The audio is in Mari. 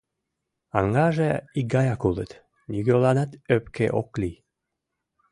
Аҥаже икгаяк улыт, нигӧланат ӧпке ок лий.